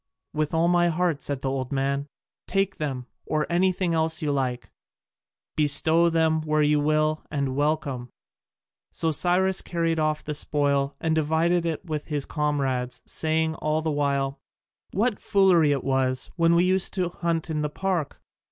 "With all my heart," said the old man, "take them, or anything else you like; bestow them where you will, and welcome." So Cyrus carried off the spoil, and divided it with his comrades, saying all the while, "What foolery it was, when we used to hunt in the park!